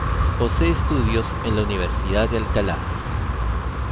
Posee estudios en la Universidad de Alcalá.